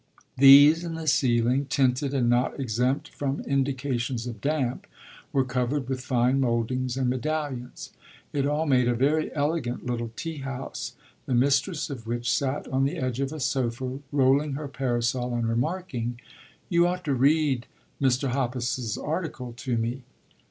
These and the ceiling, tinted and not exempt from indications of damp, were covered with fine mouldings and medallions. It all made a very elegant little tea house, the mistress of which sat on the edge of a sofa rolling her parasol and remarking, "You ought to read Mr. Hoppus's article to me."